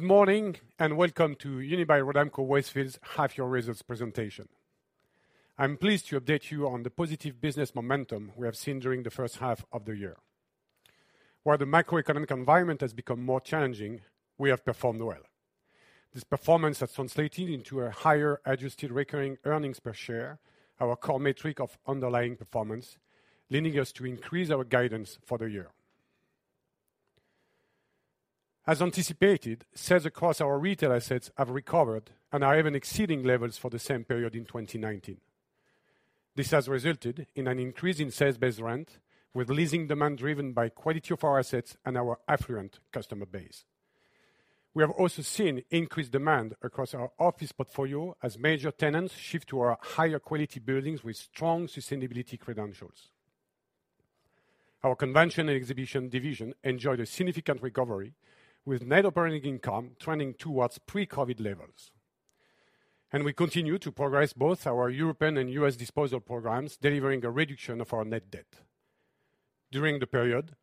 Good morning and welcome to Unibail-Rodamco-Westfield's Half Year Results Presentation. I'm pleased to update you on the positive business momentum we have seen during the first half of the year. While the macroeconomic environment has become more challenging, we have performed well. This performance has translated into a higher adjusted recurring EPS, our core metric of underlying performance, leading us to increase our guidance for the year. As anticipated, sales across our retail assets have recovered and are even exceeding levels for the same period in 2019. This has resulted in an increase in sales-based rent, with leasing demand driven by quality of our assets and our affluent customer base. We have also seen increased demand across our office portfolio as major tenants shift to our higher quality buildings with strong sustainability credentials. Our convention and exhibition division enjoyed a significant recovery with net operating income trending towards pre-COVID levels. We continue to progress both our European and U.S. disposal programs, delivering a reduction of our net debt. During the period,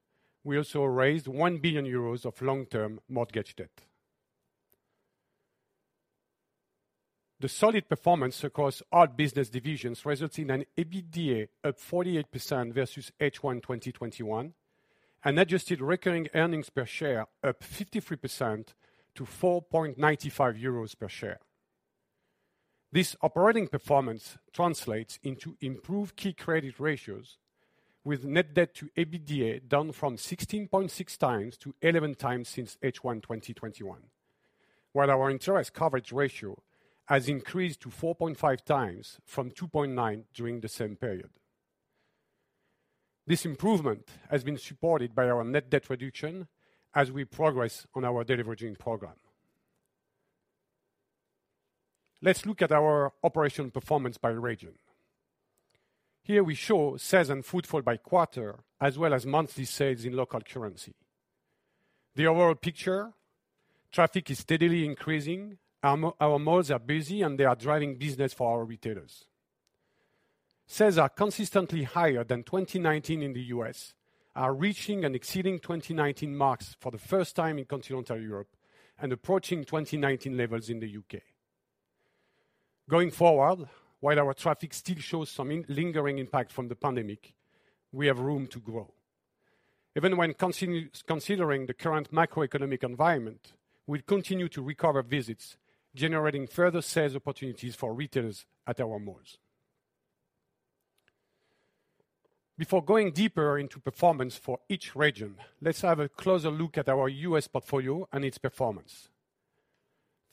we also raised 1 billion euros of long-term mortgage debt. The solid performance across our business divisions results in an EBITDA up 48% versus H1 2021, and adjusted recurring EPS up 53% to 4.95 euros per share. This operating performance translates into improved key credit ratios with net debt to EBITDA down from 16.6x to 11x since H1 2021. While our interest coverage ratio has increased to 4.5x from 2.9x during the same period. This improvement has been supported by our net debt reduction as we progress on our deleveraging program. Let's look at our operational performance by region. Here we show sales and footfall by quarter, as well as monthly sales in local currency. The overall picture, traffic is steadily increasing. Our malls are busy, and they are driving business for our retailers. Sales are consistently higher than 2019 in the U.S., are reaching and exceeding 2019 marks for the first time in continental Europe and approaching 2019 levels in the U.K.. Going forward, while our traffic still shows some lingering impact from the pandemic, we have room to grow. Even when considering the current macroeconomic environment, we'll continue to recover visits, generating further sales opportunities for retailers at our malls. Before going deeper into performance for each region, let's have a closer look at our U.S. portfolio and its performance.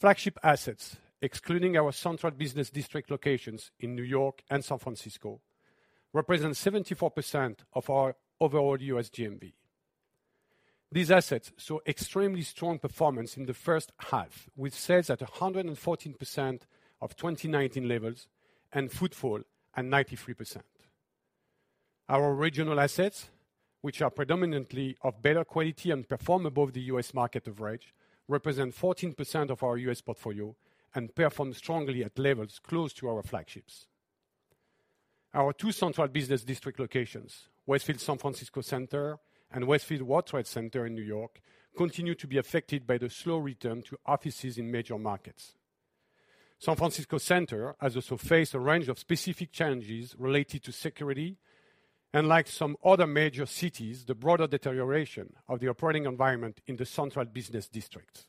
Flagship assets, excluding our central business district locations in New York and San Francisco, represent 74% of our overall U.S. GMV. These assets saw extremely strong performance in the first half, with sales at 114% of 2019 levels and footfall at 93%. Our regional assets, which are predominantly of better quality and perform above the U.S. market average, represent 14% of our U.S. portfolio and perform strongly at levels close to our flagships. Our two central business district locations, Westfield San Francisco Centre and Westfield World Trade Center in New York, continue to be affected by the slow return to offices in major markets. San Francisco Centre has also faced a range of specific challenges related to security, and like some other major cities, the broader deterioration of the operating environment in the central business district.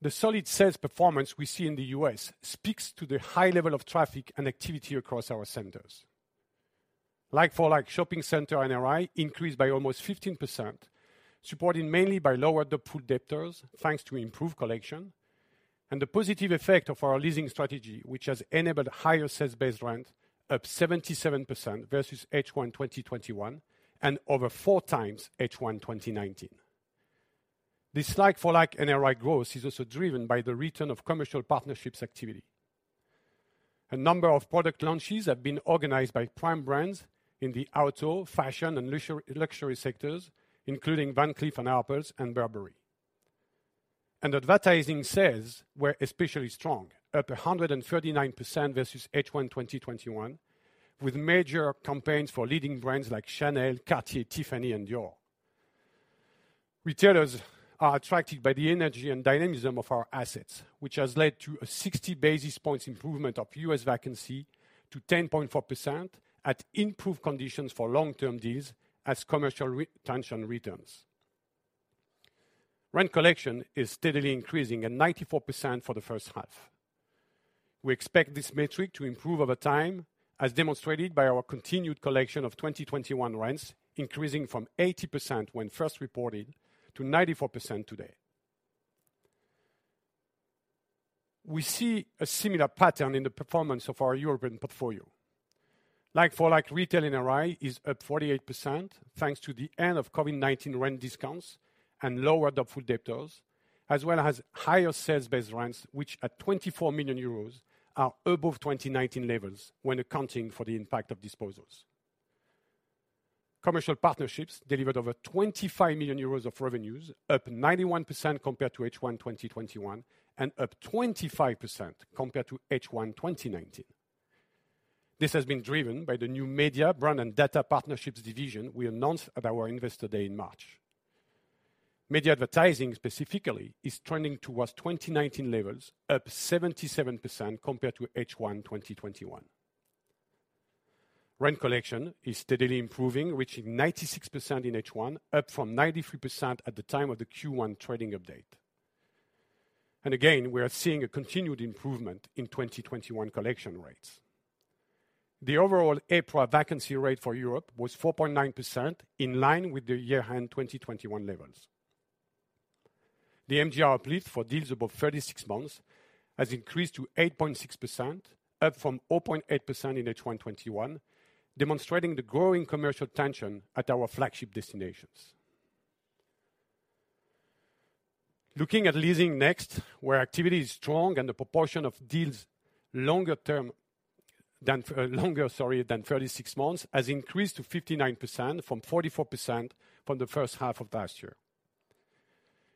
The solid sales performance we see in the U.S. speaks to the high level of traffic and activity across our centers. Like-for-like shopping center NRI increased by almost 15%, supported mainly by lower doubtful debtors, thanks to improved collection and the positive effect of our leasing strategy, which has enabled higher sales-based rent up 77% versus H1 2021 and over 4x H1 2019. This like-for-like NRI growth is also driven by the return of commercial partnerships activity. A number of product launches have been organized by prime brands in the auto, fashion, and luxury sectors, including Van Cleef & Arpels and Burberry. Advertising sales were especially strong, up 139% versus H1 2021, with major campaigns for leading brands like Chanel, Cartier, Tiffany, and Dior. Retailers are attracted by the energy and dynamism of our assets, which has led to a 60 basis points improvement of U.S. vacancy to 10.4% at improved conditions for long-term deals as commercial retention returns. Rent collection is steadily increasing at 94% for the first half. We expect this metric to improve over time, as demonstrated by our continued collection of 2021 rents, increasing from 80% when first reported to 94% today. We see a similar pattern in the performance of our European portfolio. Like-for-like retail NRI is up 48%, thanks to the end of COVID-19 rent discounts and lower doubtful debtors, as well as higher sales-based rents, which at 24 million euros are above 2019 levels when accounting for the impact of disposals. Commercial partnerships delivered over 25 million euros of revenues, up 91% compared to H1 2021, and up 25% compared to H1 2019. This has been driven by the new media brand and data partnerships division we announced at our Investor Day in March. Media advertising specifically is trending towards 2019 levels, up 77% compared to H1 2021. Rent collection is steadily improving, reaching 96% in H1, up from 93% at the time of the Q1 trading update. Again, we are seeing a continued improvement in 2021 collection rates. The overall April vacancy rate for Europe was 4.9% in line with the year-end 2021 levels. The MGR uplift for deals above 36 months has increased to 8.6%, up from 0.8% in H1 2021, demonstrating the growing commercial tension at our flagship destinations. Looking at leasing next, where activity is strong and the proportion of deals longer than 36 months has increased to 59% from 44% in the first half of last year.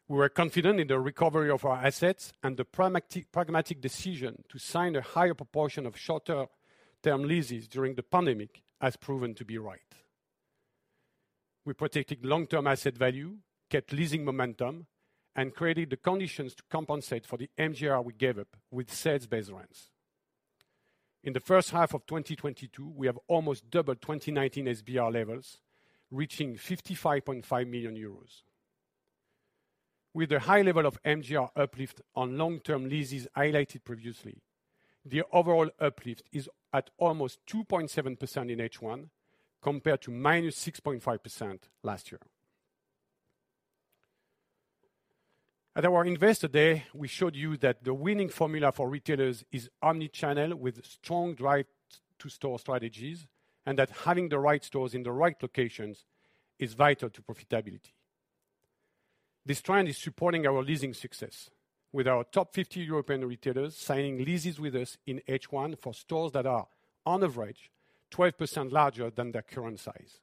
We are confident in the recovery of our assets and the pragmatic decision to sign a higher proportion of shorter term leases during the pandemic has proven to be right. We protected long-term asset value, kept leasing momentum, and created the conditions to compensate for the MGR we gave up with sales-based rents. In the first half of 2022, we have almost doubled 2019 SBR levels, reaching 55.5 million euros. With a high level of MGR uplift on long-term leases highlighted previously, the overall uplift is at almost 2.7% in H1, compared to -6.5% last year. At our Investor Day, we showed you that the winning formula for retailers is omni-channel with strong drive-to-store strategies, and that having the right stores in the right locations is vital to profitability. This trend is supporting our leasing success with our top 50 European retailers signing leases with us in H1 for stores that are, on average, 12% larger than their current size.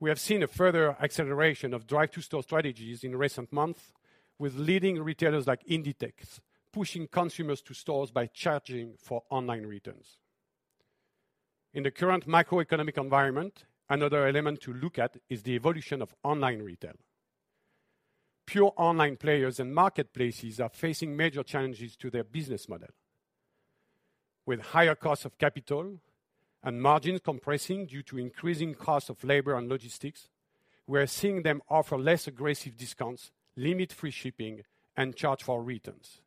We have seen a further acceleration of drive-to-store strategies in recent months, with leading retailers like Inditex pushing consumers to stores by charging for online returns. In the current macroeconomic environment, another element to look at is the evolution of online retail. Pure online players and marketplaces are facing major challenges to their business model. With higher costs of capital and margins compressing due to increasing costs of labor and logistics, we are seeing them offer less aggressive discounts, limit free shipping, and charge for returns.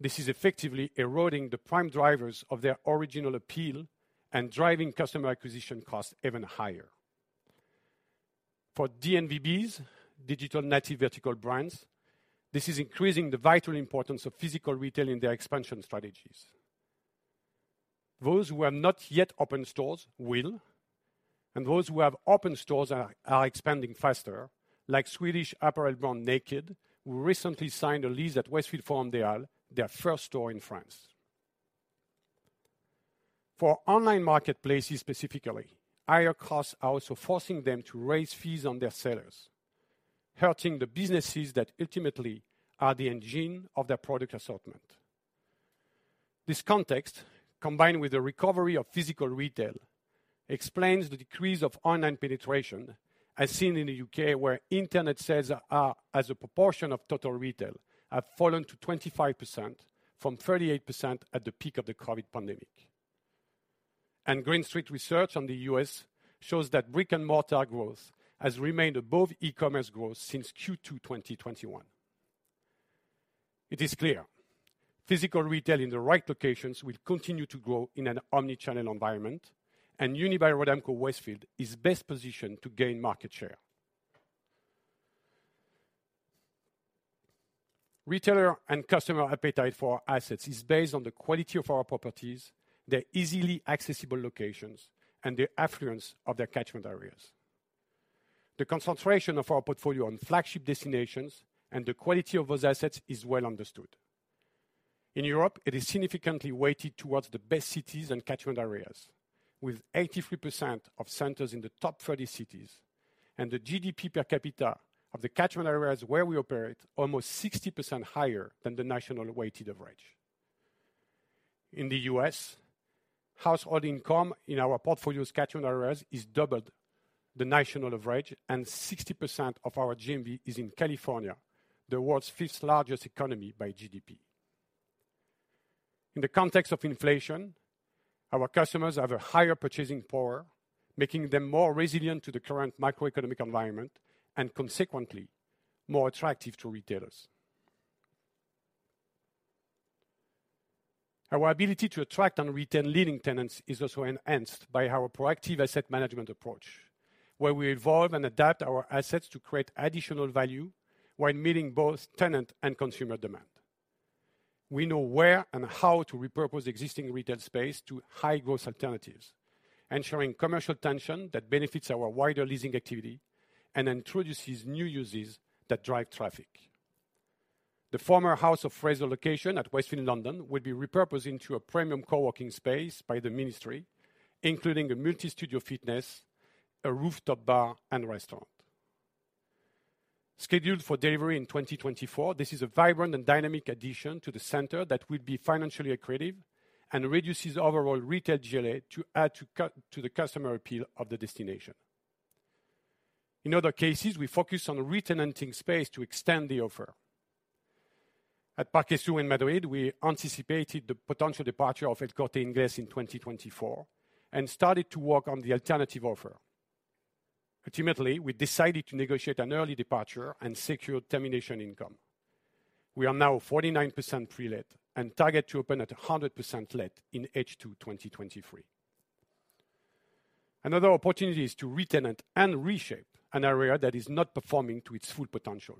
This is effectively eroding the prime drivers of their original appeal and driving customer acquisition costs even higher. For DNVBs, digital native vertical brands, this is increasing the vital importance of physical retail in their expansion strategies. Those who have not yet opened stores will, and those who have opened stores are expanding faster, like Swedish apparel brand, NA-KD, who recently signed a lease at Westfield Forum des Halles, their first store in France. For online marketplaces specifically, higher costs are also forcing them to raise fees on their sellers, hurting the businesses that ultimately are the engine of their product assortment. This context, combined with the recovery of physical retail, explains the decrease of online penetration as seen in the U.K., where internet sales are, as a proportion of total retail, have fallen to 25% from 38% at the peak of the COVID pandemic. Green Street research on the U.S. shows that brick-and-mortar growth has remained above e-commerce growth since Q2 2021. It is clear physical retail in the right locations will continue to grow in an omni-channel environment, and Unibail-Rodamco-Westfield is best positioned to gain market share. Retailer and customer appetite for our assets is based on the quality of our properties, their easily accessible locations, and the affluence of their catchment areas. The concentration of our portfolio on flagship destinations and the quality of those assets is well understood. In Europe, it is significantly weighted towards the best cities and catchment areas with 83% of centers in the top 30 cities and the GDP per capita of the catchment areas where we operate almost 60% higher than the national weighted average. In the U.S., household income in our portfolio's catchment areas is double the national average, and 60% of our GMV is in California, the world's fifth-largest economy by GDP. In the context of inflation, our customers have a higher purchasing power, making them more resilient to the current macroeconomic environment and consequently more attractive to retailers. Our ability to attract and retain leading tenants is also enhanced by our proactive asset management approach, where we evolve and adapt our assets to create additional value while meeting both tenant and consumer demand. We know where and how to repurpose existing retail space to high growth alternatives, ensuring commercial tension that benefits our wider leasing activity and introduces new uses that drive traffic. The former House of Fraser location at Westfield London will be repurposed into a premium co-working space by The Ministry, including a multi-studio fitness, a rooftop bar, and restaurant. Scheduled for delivery in 2024, this is a vibrant and dynamic addition to the center that will be financially accretive and reduces overall retail GLA to add to the customer appeal of the destination. In other cases, we focus on re-tenanting space to extend the offer. At Parque Sur in Madrid, we anticipated the potential departure of El Corte Inglés in 2024 and started to work on the alternative offer. Ultimately, we decided to negotiate an early departure and secure termination income. We are now 49% pre-let and target to open at 100% let in H2 2023. Another opportunity is to re-tenant and reshape an area that is not performing to its full potential.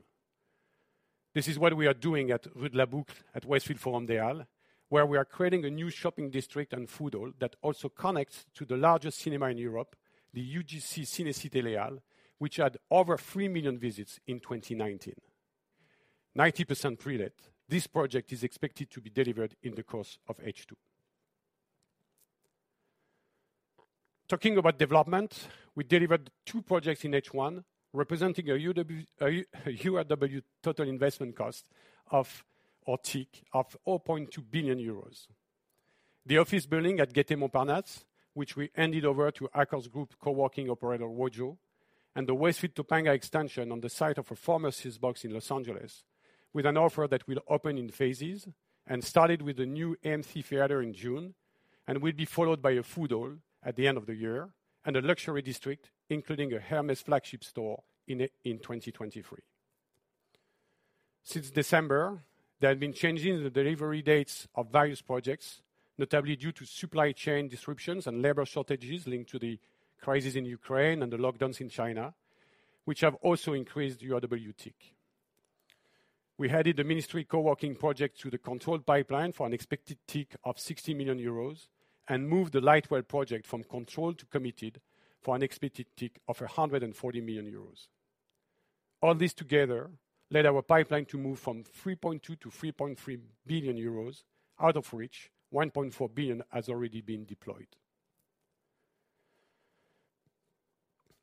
This is what we are doing at Rue Lescot at Westfield Forum des Halles, where we are creating a new shopping district and food hall that also connects to the largest cinema in Europe, the UGC Ciné Cité Les Halles, which had over 3 million visits in 2019. 90% pre-let. This project is expected to be delivered in the course of H2. Talking about development, we delivered two projects in H1, representing a URW total investment cost, or TIC, of 0.2 billion euros. The office building at Gaîté Montparnasse, which we handed over to Accor's group co-working operator Wojo, and the Westfield Topanga extension on the site of a former Sears box in Los Angeles with an offer that will open in phases and started with a new AMC Theatres in June and will be followed by a food hall at the end of the year and a luxury district, including a Hermès flagship store in 2023. Since December, there have been changes in the delivery dates of various projects, notably due to supply chain disruptions and labor shortages linked to the crisis in Ukraine and the lockdowns in China, which have also increased URW TIC. We added The Ministry co-working project to the controlled pipeline for an expected TIC of 60 million euros and moved the Lightwell project from controlled to committed for an expected TIC of 140 million euros. All this together led our pipeline to move from 3.2 billion to 3.3 billion euros, out of which 1.4 billion has already been deployed.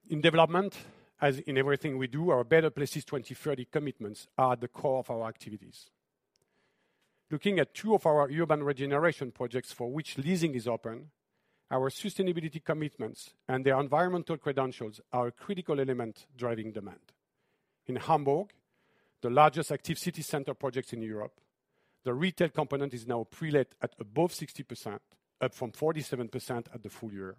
In development, as in everything we do, our Better Places 2030 commitments are at the core of our activities. Looking at two of our urban regeneration projects for which leasing is open, our sustainability commitments and their environmental credentials are a critical element driving demand. In Hamburg, the largest active city center project in Europe, the retail component is now pre-let at above 60%, up from 47% at the full year,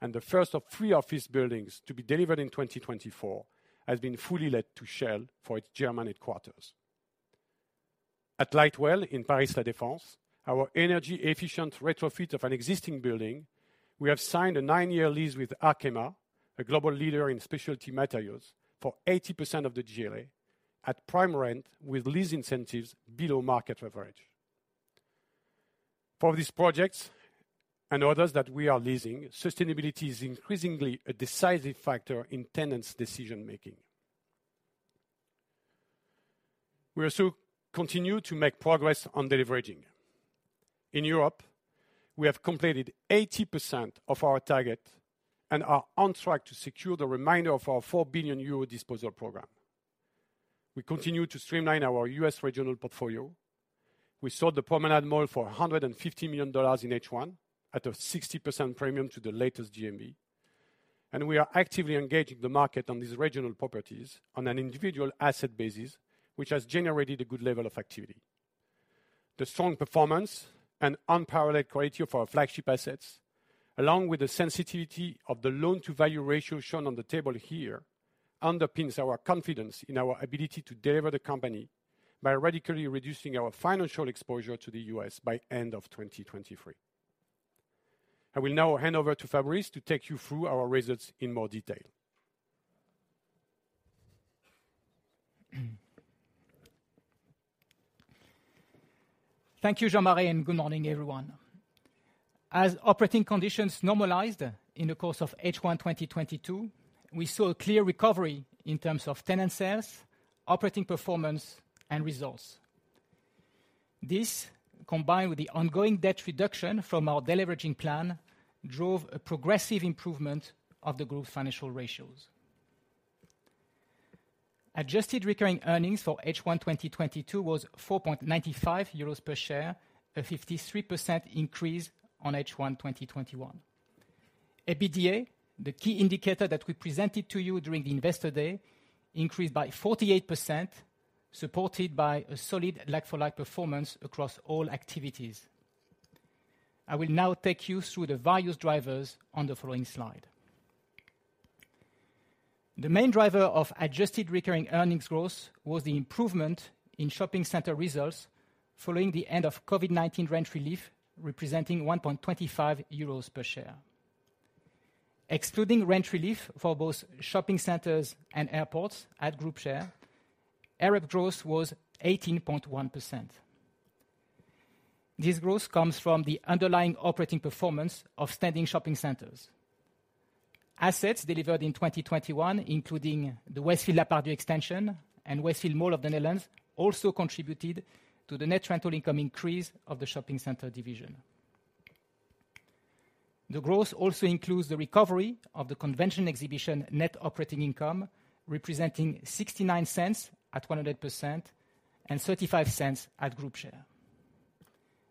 and the first of three office buildings to be delivered in 2024 has been fully let to Shell for its German headquarters. At Lightwell in Paris La Défense, our energy efficient retrofit of an existing building, we have signed a nine-year lease with Arkema, a global leader in specialty materials, for 80% of the GLA at prime rent with lease incentives below market leverage. For these projects and others that we are leasing, sustainability is increasingly a decisive factor in tenants' decision making. We also continue to make progress on deleveraging. In Europe, we have completed 80% of our target and are on track to secure the remainder of our 4 billion euro disposal program. We continue to streamline our U.S. regional portfolio. We sold the Promenade Mall for $150 million in H1 at a 60% premium to the latest GMV. We are actively engaging the market on these regional properties on an individual asset basis, which has generated a good level of activity. The strong performance and unparalleled quality of our flagship assets, along with the sensitivity of the loan to value ratio shown on the table here, underpins our confidence in our ability to delever the company by radically reducing our financial exposure to the U.S. by end of 2023. I will now hand over to Fabrice to take you through our results in more detail. Thank you, Jean-Marie, and good morning, everyone. As operating conditions normalized in the course of H1 2022, we saw a clear recovery in terms of tenant sales, operating performance, and results. This, combined with the ongoing debt reduction from our deleveraging plan, drove a progressive improvement of the group financial ratios. Adjusted recurring earnings for H1 2022 was 4.95 euros per share, a 53% increase on H1 2021. EBITDA, the key indicator that we presented to you during the Investor Day, increased by 48%, supported by a solid like-for-like performance across all activities. I will now take you through the various drivers on the following slide. The main driver of adjusted recurring earnings growth was the improvement in shopping center results following the end of COVID-19 rent relief, representing 1.25 euros per share. Excluding rent relief for both shopping centers and airports at group share, ARF growth was 18.1%. This growth comes from the underlying operating performance of standing shopping centers. Assets delivered in 2021, including the Westfield Le Parvis extension and Westfield Mall of the Netherlands, also contributed to the net rental income increase of the shopping center division. The growth also includes the recovery of the convention exhibition net operating income, representing 0.69 at 100% and 0.35 at group share.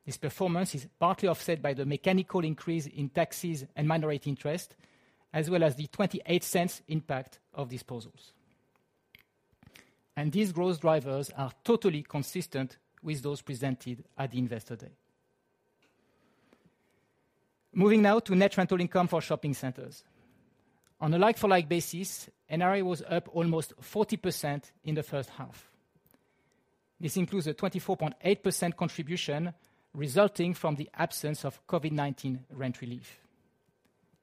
This performance is partly offset by the mechanical increase in taxes and minority interest, as well as the 0.28 impact of disposals. These growth drivers are totally consistent with those presented at Investor Day. Moving now to net rental income for shopping centers. On a like-for-like basis, NRI was up almost 40% in the first half. This includes a 24.8% contribution resulting from the absence of COVID-19 rent relief.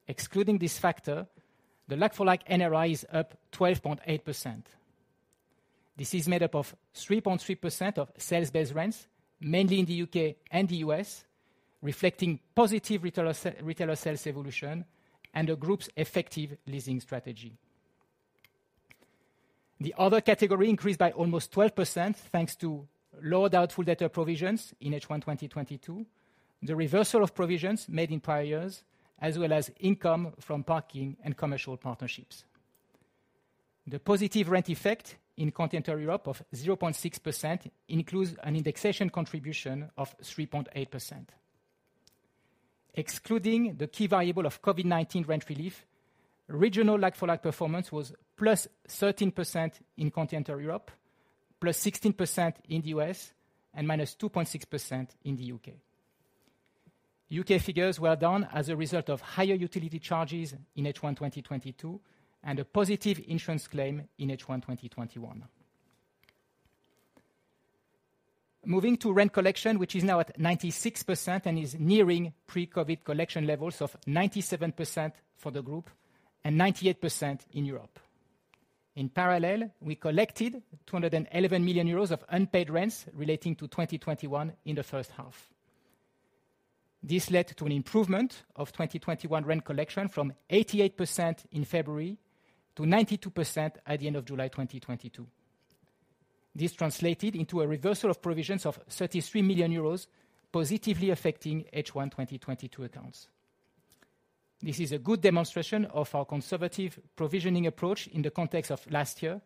Excluding this factor, the like-for-like NRI is up 12.8%. This is made up of 3.3% of sales-based rents, mainly in the U.K. and the U.S., reflecting positive retailer sales evolution and the group's effective leasing strategy. The other category increased by almost 12% thanks to lower doubtful debt provisions in H1 2022, the reversal of provisions made in prior years, as well as income from parking and commercial partnerships. The positive rent effect in Continental Europe of 0.6% includes an indexation contribution of 3.8%. Excluding the key variable of COVID-19 rent relief, regional like-for-like performance was +13% in Continental Europe, +16% in the U.S., and -2.6% in the U.K.. U.K. figures were down as a result of higher utility charges in H1 2022 and a positive insurance claim in H1 2021. Moving to rent collection, which is now at 96% and is nearing pre-COVID collection levels of 97% for the group and 98% in Europe. In parallel, we collected 211 million euros of unpaid rents relating to 2021 in the first half. This led to an improvement of 2021 rent collection from 88% in February to 92% at the end of July 2022. This translated into a reversal of provisions of 33 million euros positively affecting H1 2022 accounts. This is a good demonstration of our conservative provisioning approach in the context of last year,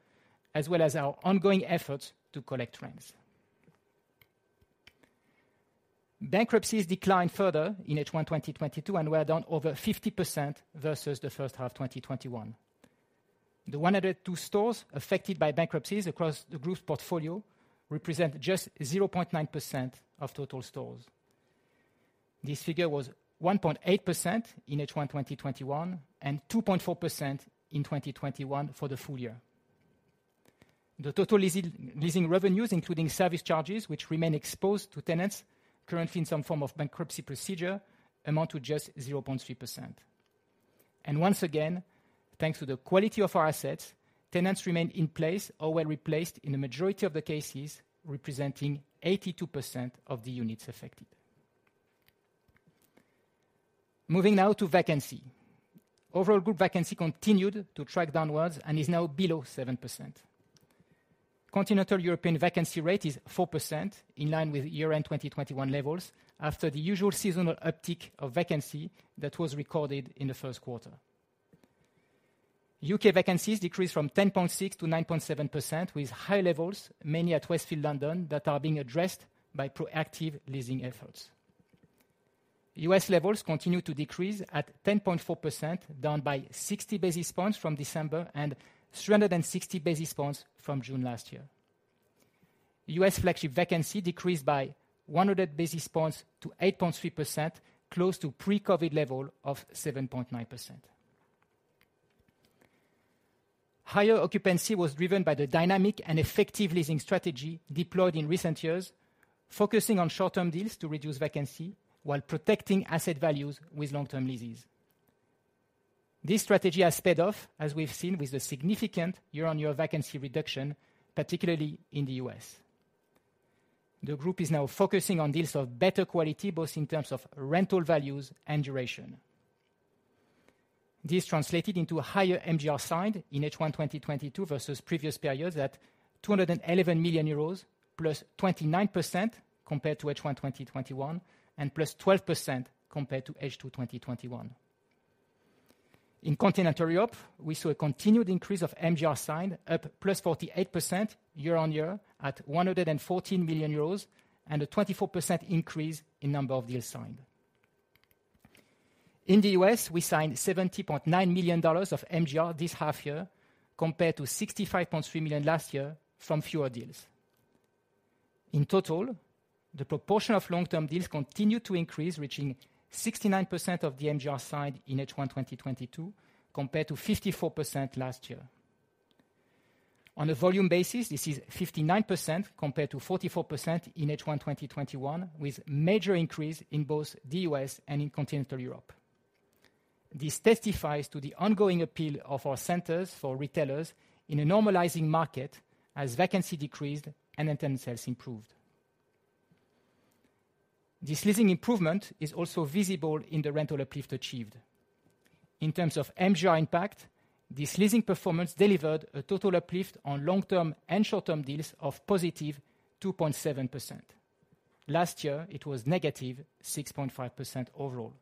as well as our ongoing efforts to collect rents. Bankruptcies declined further in H1 2022 and were down over 50% versus the first half 2021. The 102 stores affected by bankruptcies across the group's portfolio represent just 0.9% of total stores. This figure was 1.8% in H1 2021 and 2.4% in 2021 for the full year. The total leasing revenues, including service charges which remain exposed to tenants currently in some form of bankruptcy procedure, amount to just 0.3%. Once again, thanks to the quality of our assets, tenants remain in place or were replaced in the majority of the cases, representing 82% of the units affected. Moving now to vacancy. Overall group vacancy continued to track downward and is now below 7%. Continental European vacancy rate is 4%, in line with year-end 2021 levels after the usual seasonal uptick of vacancy that was recorded in the first quarter. U.K. vacancies decreased from 10.6% to 9.7%, with high levels, mainly at Westfield London, that are being addressed by proactive leasing efforts. U.S. levels continue to decrease at 10.4%, down by 60 basis points from December and 360 basis points from June last year. U.S. flagship vacancy decreased by 100 basis points to 8.3%, close to pre-COVID level of 7.9%. Higher occupancy was driven by the dynamic and effective leasing strategy deployed in recent years, focusing on short-term deals to reduce vacancy while protecting asset values with long-term leases. This strategy has paid off, as we've seen with the significant year-on-year vacancy reduction, particularly in the U.S.. The group is now focusing on deals of better quality, both in terms of rental values and duration. This translated into a higher MGR signed in H1 2022 versus previous periods at 211 million euros, +29% compared to H1 2021, and +12% compared to H2 2021. In Continental Europe, we saw a continued increase of MGR signed up +48% year-on-year at 114 million euros and a 24% increase in number of deals signed. In the U.S., we signed $70.9 million of MGR this half year compared to $65.3 million last year from fewer deals. In total, the proportion of long-term deals continued to increase, reaching 69% of the MGR signed in H1 2022 compared to 54% last year. On a volume basis, this is 59% compared to 44% in H1 2021, with major increase in both the U.S. and in Continental Europe. This testifies to the ongoing appeal of our centers for retailers in a normalizing market as vacancy decreased and intent sales improved. This leasing improvement is also visible in the rental uplift achieved. In terms of MGR impact, this leasing performance delivered a total uplift on long-term and short-term deals of +2.7%. Last year, it was -6.5% overall.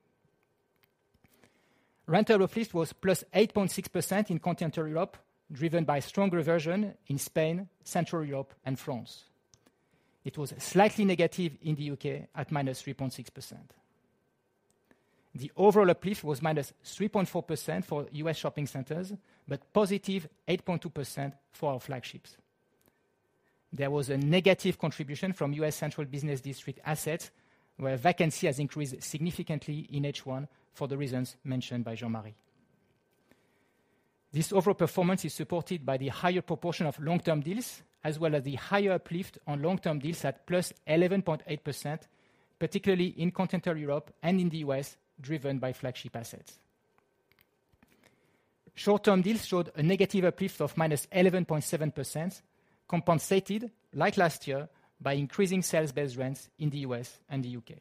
Rental uplift was +8.6% in Continental Europe, driven by strong reversion in Spain, Central Europe and France. It was slightly negative in the U.K. at -3.6%. The overall uplift was -3.4% for U.S. shopping centers, but +8.2% for our flagships. There was a negative contribution from U.S. central business district assets, where vacancy has increased significantly in H1 for the reasons mentioned by Jean-Marie. This overall performance is supported by the higher proportion of long-term deals as well as the higher uplift on long-term deals at +11.8%, particularly in continental Europe and in the U.S., driven by flagship assets. Short-term deals showed a negative uplift of -11.7% compensated, like last year, by increasing sales-based rents in the U.S. and the U.K..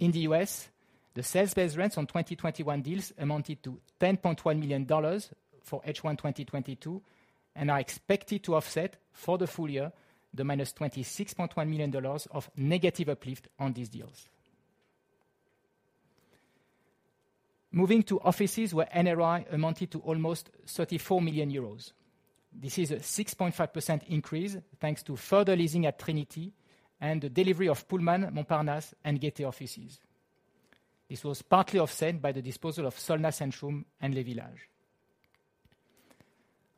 In the U.S., the sales-based rents on 2021 deals amounted to $10.1 million for H1 2022 and are expected to offset for the full year the -$26.1 million of negative uplift on these deals. Moving to offices where NRI amounted to almost 34 million euros. This is a 6.5% increase, thanks to further leasing at Trinity Tower and the delivery of Pullman Paris Montparnasse and Gaîté offices. This was partly offset by the disposal of Solna Centrum and Le Village.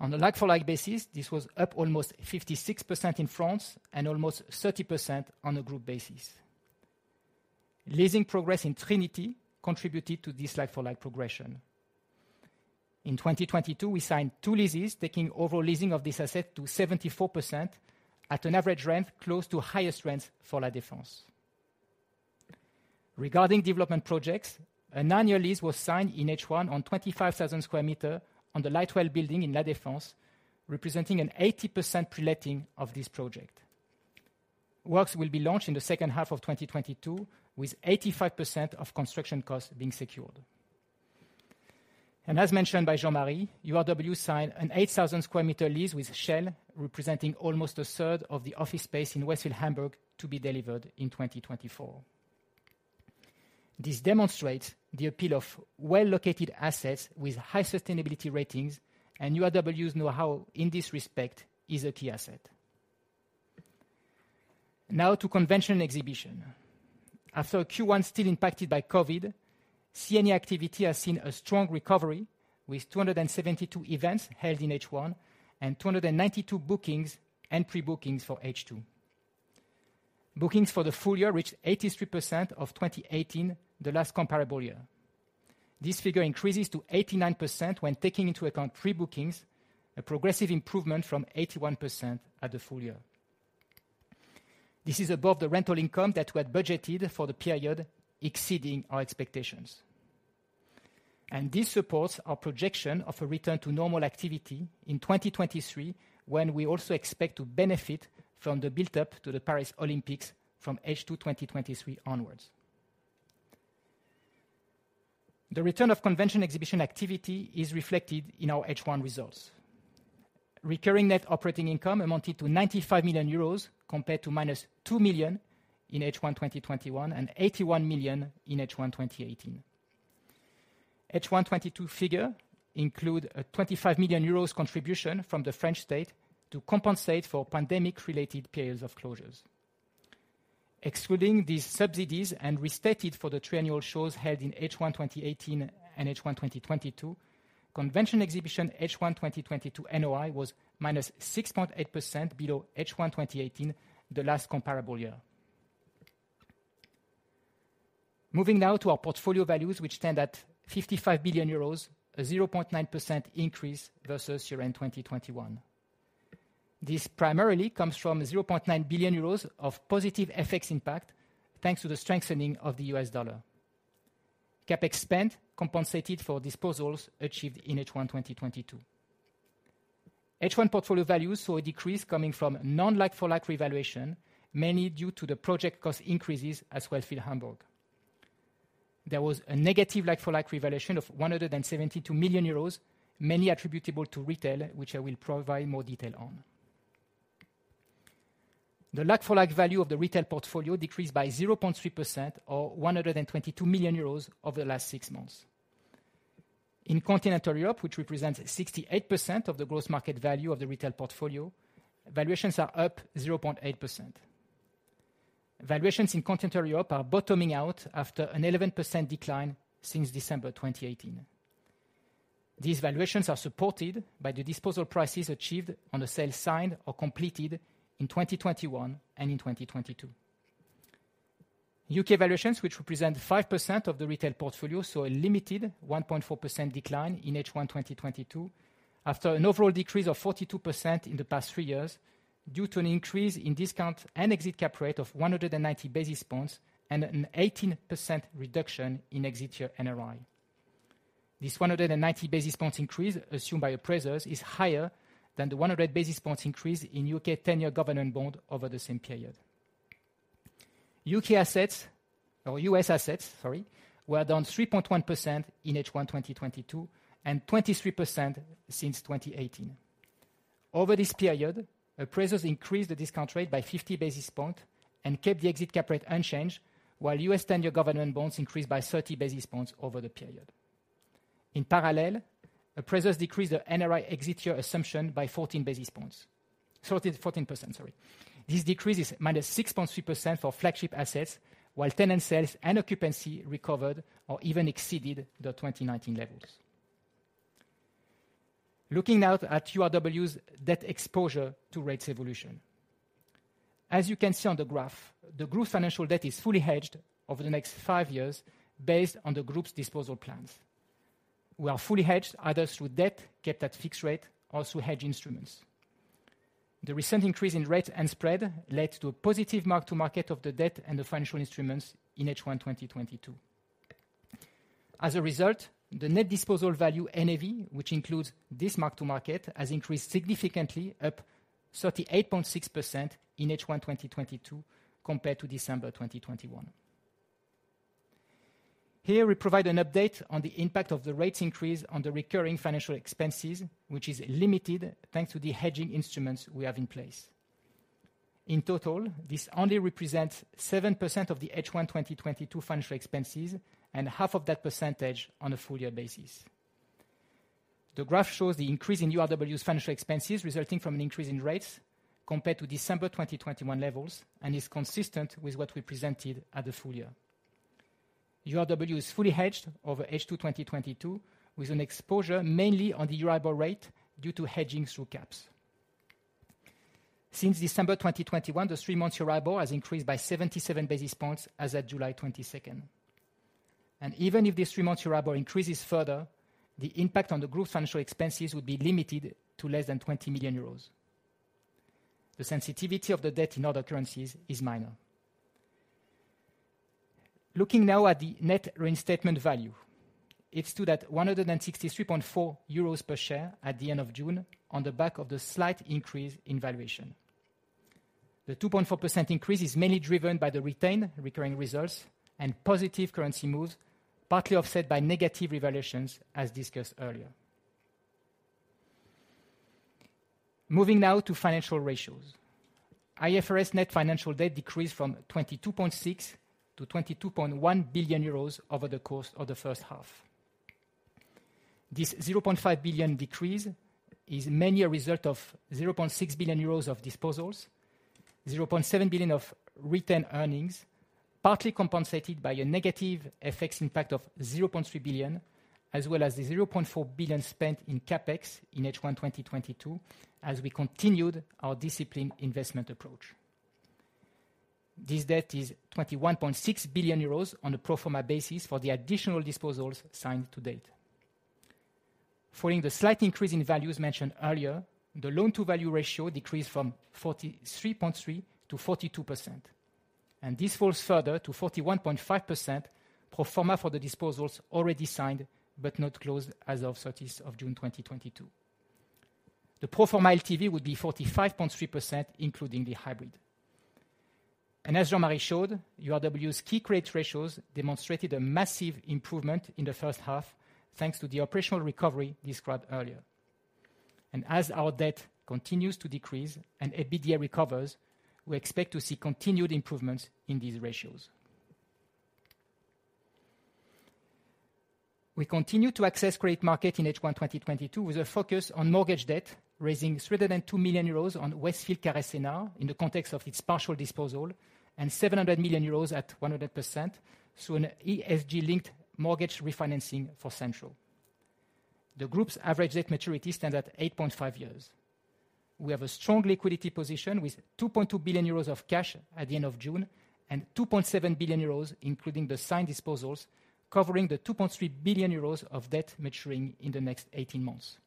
On a like-for-like basis, this was up almost 56% in France and almost 30% on a group basis. Leasing progress in Trinity Tower contributed to this like-for-like progression. In 2022, we signed two leases taking overall leasing of this asset to 74% at an average rent close to highest rents for La Défense. Regarding development projects, an annual lease was signed in H1 on 25,000 sq m on the Lightwell building in La Défense, representing an 80% pre-letting of this project. Works will be launched in the second half of 2022, with 85% of construction costs being secured. As mentioned by Jean-Marie, URW signed an 8,000 sq m lease with Shell, representing almost a third of the office space in Westfield Hamburg to be delivered in 2024. This demonstrates the appeal of well-located assets with high sustainability ratings, and URW know-how in this respect is a key asset. Now to Convention & Exhibition. After Q1, still impacted by Covid, C&E activity has seen a strong recovery with 272 events held in H1 and 292 bookings and pre-bookings for H2. Bookings for the full year reached 83% of 2018, the last comparable year. This figure increases to 89% when taking into account pre-bookings, a progressive improvement from 81% at the full year. This is above the rental income that we had budgeted for the period, exceeding our expectations. This supports our projection of a return to normal activity in 2023, when we also expect to benefit from the build-up to the Paris Olympics from H2 2023 onwards. The return of convention exhibition activity is reflected in our H1 results. Recurring net operating income amounted to 95 million euros compared to -2 million in H1 2021 and 81 million in H1 2018. H1 2022 figure include a 25 million euros contribution from the French state to compensate for pandemic-related periods of closures. Excluding these subsidies and restated for the triannual shows held in H1 2018 and H1 2022, Convention & Exhibition H1 2022 NOI was -6.8% below H1 2018, the last comparable year. Moving now to our portfolio values, which stand at 55 billion euros, a 0.9% increase versus year-end 2021. This primarily comes from 0.9 billion euros of positive FX impact, thanks to the strengthening of the U.S. dollar. CapEx spend compensated for disposals achieved in H1 2022. H1 portfolio values saw a decrease coming from non-like-for-like revaluation, mainly due to the project cost increases at Westfield Hamburg. There was a negative like-for-like revaluation of 172 million euros, mainly attributable to retail, which I will provide more detail on. The like-for-like value of the retail portfolio decreased by 0.3% or 122 million euros over the last six months. In Continental Europe, which represents 68% of the gross market value of the retail portfolio, valuations are up 0.8%. Valuations in Continental Europe are bottoming out after an 11% decline since December 2018. These valuations are supported by the disposal prices achieved on the sale signed or completed in 2021 and in 2022. U.K. valuations, which represent 5% of the retail portfolio, saw a limited 1.4% decline in H1 2022 after an overall decrease of 42% in the past three years due to an increase in discount and exit cap rate of 190 basis points and an 18% reduction in exit year NRI. This 190 basis points increase assumed by appraisers is higher than the 100 basis points increase in U.K. 10-year government bond over the same period. U.K. assets or U.S. assets, sorry, were down 3.1% in H1 2022 and 23% since 2018. Over this period, appraisers increased the discount rate by 50 basis points and kept the exit cap rate unchanged while U.S. standard government bonds increased by 30 basis points over the period. In parallel, appraisers decreased the NRI exit year assumption by 14 basis points. This decrease is -6.3% for flagship assets while tenant sales and occupancy recovered or even exceeded the 2019 levels. Looking now at URW's debt exposure to rates evolution. As you can see on the graph, the group's financial debt is fully hedged over the next five years based on the group's disposal plans. We are fully hedged either through debt kept at fixed rate or through hedge instruments. The recent increase in rate and spread led to a positive mark-to-market of the debt and the financial instruments in H1 2022. As a result, the net disposal value NAV, which includes this mark-to-market, has increased significantly up 38.6% in H1 2022 compared to December 2021. Here we provide an update on the impact of the rates increase on the recurring financial expenses, which is limited thanks to the hedging instruments we have in place. In total, this only represents 7% of the H1 2022 financial expenses and half of that percentage on a full year basis. The graph shows the increase in URW's financial expenses resulting from an increase in rates compared to December 2021 levels and is consistent with what we presented at the full year. URW is fully hedged over H2 2022 with an exposure mainly on the Euribor rate due to hedging through caps. Since December 2021, the three-month Euribor has increased by 77 basis points as at July 22. Even if the three-month Euribor increases further, the impact on the group's financial expenses would be limited to less than 20 million euros. The sensitivity of the debt in other currencies is minor. Looking now at the net reinstatement value. It stood at 163.4 euros per share at the end of June on the back of the slight increase in valuation. The 2.4% increase is mainly driven by the retained recurring results and positive currency moves, partly offset by negative revaluations, as discussed earlier. Moving now to financial ratios. IFRS net financial debt decreased from 22.6 billion to 22.1 billion euros over the course of the first half. This 0.5 billion decrease is mainly a result of 0.6 billion euros of disposals, 0.7 billion of retained earnings, partly compensated by a negative FX impact of 0.3 billion, as well as the 0.4 billion spent in CapEx in H1 2022 as we continued our disciplined investment approach. This debt is 21.6 billion euros on a pro forma basis for the additional disposals signed to date. Following the slight increase in values mentioned earlier, the loan-to-value ratio decreased from 43.3%-42%, and this falls further to 41.5% pro forma for the disposals already signed but not closed as of June 30, 2022. The pro forma LTV would be 45.3%, including the hybrid. As Jean-Marie showed, URW's key credit ratios demonstrated a massive improvement in the first half thanks to the operational recovery described earlier. As our debt continues to decrease and EBITDA recovers, we expect to see continued improvements in these ratios. We continued to access the credit markets in H1 2022 with a focus on mortgage debt, raising 3.2 million euros on Westfield Carré Sénart in the context of its partial disposal and 700 million euros at 100% through an ESG-linked mortgage refinancing for Central. The group's average debt maturity stands at 8.5 years. We have a strong liquidity position with 22 billion euros of cash at the end of June and 27 billion euros, including the signed disposals, covering the 20.3 billion euros of debt maturing in the next 18 months.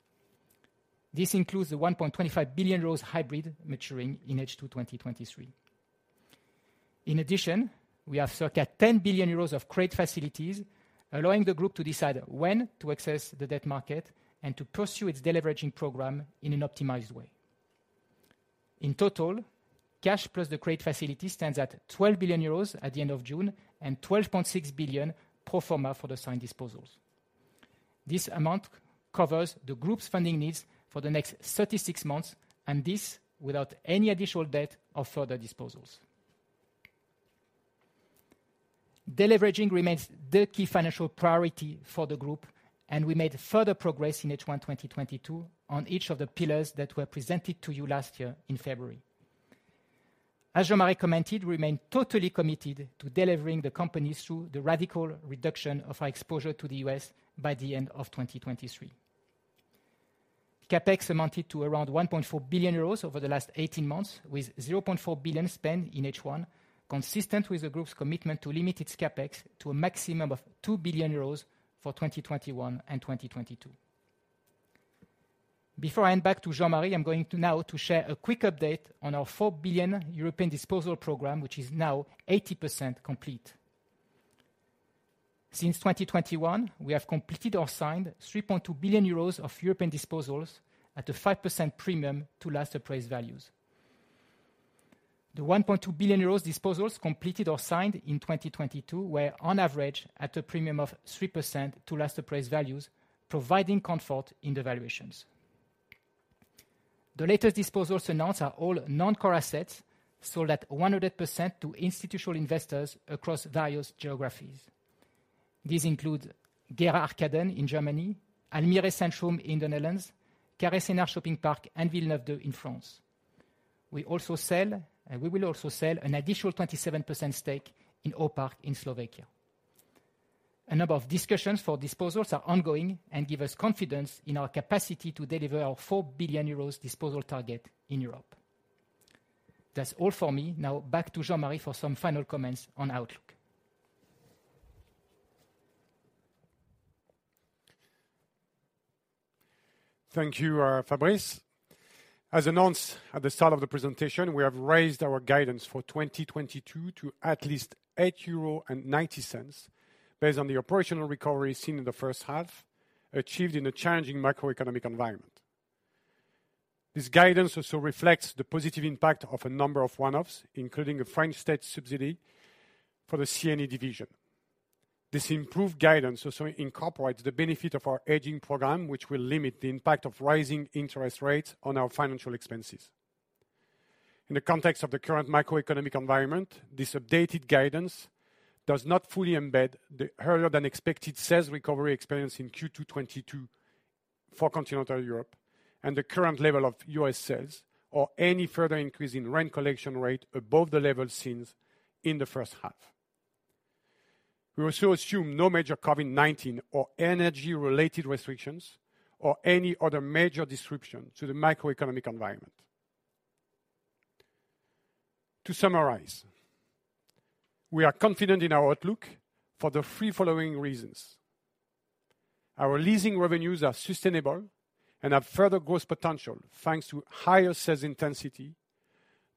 This includes the 1.25 billion euros hybrid maturing in H2 2023. In addition, we have struck at 10 billion euros of credit facilities, allowing the group to decide when to access the debt market and to pursue its deleveraging program in an optimized way. In total, cash plus the credit facility stands at 12 billion euros at the end of June and 12.6 billion pro forma for the signed disposals. This amount covers the group's funding needs for the next 36 months, and this without any additional debt or further disposals. Deleveraging remains the key financial priority for the group, and we made further progress in H1 2022 on each of the pillars that were presented to you last year in February. As Jean-Marie commented, we remain totally committed to delivering the company through the radical reduction of our exposure to the U.S. by the end of 2023. CapEx amounted to around 1.4 billion euros over the last 18 months, with 0.4 billion spent in H1, consistent with the group's commitment to limit its CapEx to a maximum of 2 billion euros for 2021 and 2022. Before I hand back to Jean-Marie, I'm going to now to share a quick update on our 4 billion European disposal program, which is now 80% complete. Since 2021, we have completed or signed 3.2 billion euros of European disposals at a 5% premium to last appraised values. The 1.2 billion euros disposals completed or signed in 2022 were on average at a premium of 3% to last appraised values, providing comfort in the valuations. The latest disposals announced are all non-core assets sold at 100% to institutional investors across various geographies. These include Gera Arcaden in Germany, Almere Centrum in the Netherlands, Carré Sénart shopping park, and Villeneuve, in France. We also sell, and we will also sell an additional 27% stake in Aupark in Slovakia. A number of discussions for disposals are ongoing and give us confidence in our capacity to deliver our 4 billion euros disposal target in Europe. That's all for me. Now back to Jean-Marie for some final comments on outlook. Thank you, Fabrice. As announced at the start of the presentation, we have raised our guidance for 2022 to at least 8.90 euro based on the operational recovery seen in the first half, achieved in a challenging macroeconomic environment. This guidance also reflects the positive impact of a number of one-offs, including a French state subsidy for the C&E division. This improved guidance also incorporates the benefit of our hedging program, which will limit the impact of rising interest rates on our financial expenses. In the context of the current macroeconomic environment, this updated guidance does not fully embed the earlier than expected sales recovery experience in Q2 2022 for continental Europe and the current level of U.S. sales or any further increase in rent collection rate above the level seen in the first half. We also assume no major COVID-19 or energy-related restrictions or any other major disruption to the macroeconomic environment. To summarize, we are confident in our outlook for the three following reasons. Our leasing revenues are sustainable and have further growth potential, thanks to higher sales intensity,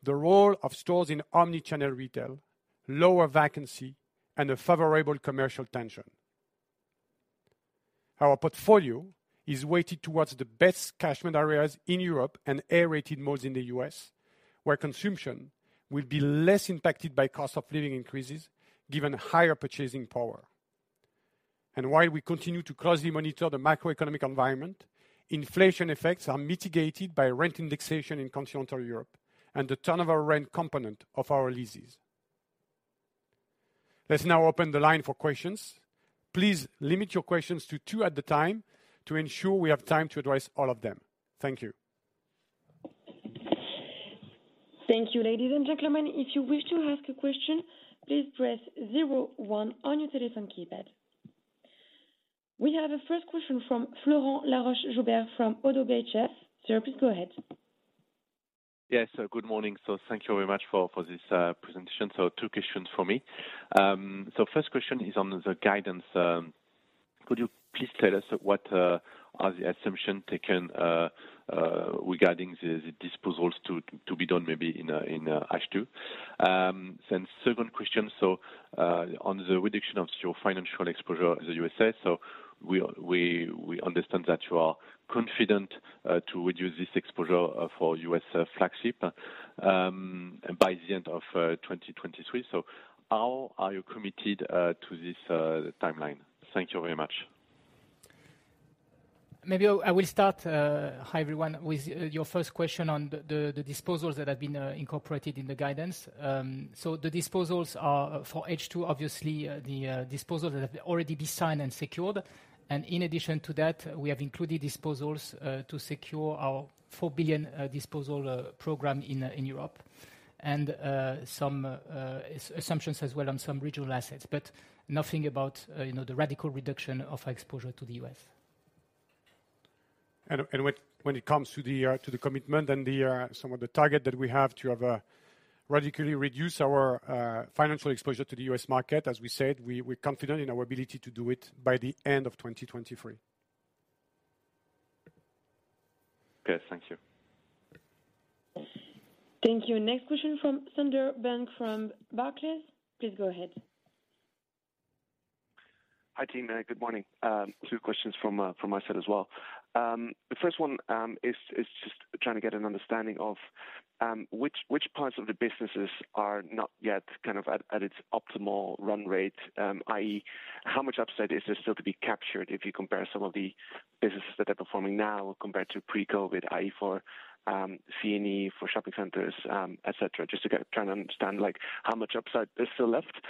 the role of stores in omni-channel retail, lower vacancy, and a favorable commercial tension. Our portfolio is weighted towards the best catchment areas in Europe and A-rated malls in the U.S., where consumption will be less impacted by cost of living increases given higher purchasing power. While we continue to closely monitor the macroeconomic environment, inflation effects are mitigated by rent indexation in continental Europe and the turnover rent component of our leases. Let's now open the line for questions. Please limit your questions to two at the time to ensure we have time to address all of them. Thank you. Thank you, ladies and gentlemen. If you wish to ask a question, please press zero, one on your telephone keypad. We have a first question from Florent Laroche-Joubert from ODDO BHF. Sir, please go ahead. Yes. Good morning. Thank you very much for this presentation. Two questions for me. First question is on the guidance. Could you please tell us what are the assumptions taken regarding the disposals to be done maybe in H2? Second question on the reduction of your financial exposure in the U.S., we understand that you are confident to reduce this exposure for U.S. flagship by the end of 2023. How are you committed to this timeline? Thank you very much. Maybe I will start, hi, everyone, with your first question on the disposals that have been incorporated in the guidance. The disposals are for H2, obviously, the disposals that have already been signed and secured. In addition to that, we have included disposals to secure our 4 billion disposal program in Europe and some assumptions as well on some regional assets, but nothing about, you know, the radical reduction of exposure to the U.S.. When it comes to the commitment and some of the target that we have to have radically reduce our financial exposure to the U.S. market, as we said, we're confident in our ability to do it by the end of 2023. Okay. Thank you. Thank you. Next question from Sander Bunck from Barclays. Please go ahead. Hi, team. Good morning. Two questions from my side as well. The first one is just trying to get an understanding of which parts of the businesses are not yet kind of at its optimal run rate, i.e., how much upside is there still to be captured if you compare some of the businesses that are performing now compared to pre-COVID, i.e., for C&E, for shopping centers, et cetera? Just try to understand like how much upside is still left.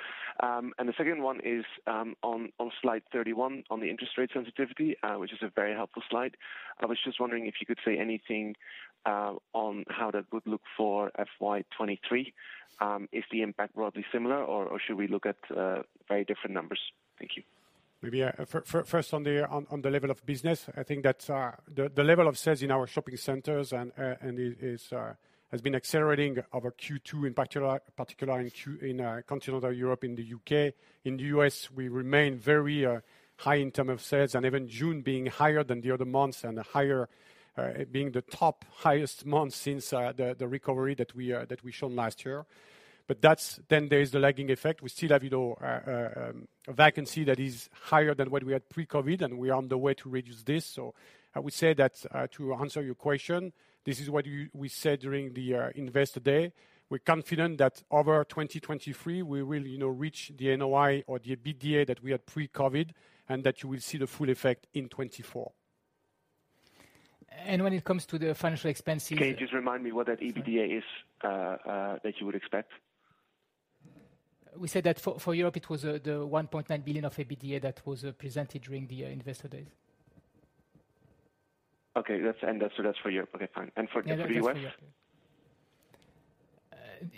The second one is on slide 31 on the interest rate sensitivity, which is a very helpful slide. I was just wondering if you could say anything on how that would look for FY 2023.Is the impact broadly similar or should we look at very different numbers? Thank you. Maybe first on the level of business, I think that the level of sales in our shopping centers and has been accelerating over Q2, in particular in continental Europe, in the U.K.. In the U.S., we remain very high in terms of sales and even June being higher than the other months and being the highest month since the recovery that we shown last year. That's. There is the lagging effect. We still have, you know, a vacancy that is higher than what we had pre-COVID, and we are on the way to reduce this. I would say that to answer your question, this is what we said during the Investor Day. We're confident that over 2023 we will, you know, reach the NOI or the EBITDA that we had pre-COVID and that you will see the full effect in 2024. When it comes to the financial expenses. Can you just remind me what that EBITDA is that you would expect? We said that for Europe it was 1.9 billion of EBITDA that was presented during the Investor Days. Okay, that's for Europe. Okay, fine. For the U.S.? No, that's just for Europe.